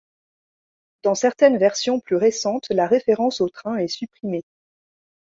Dans certaines versions plus récentes la référence au train est supprimée.